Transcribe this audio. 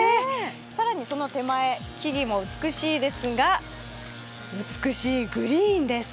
更にその手前、木々も美しいですが、美しいグリーンです。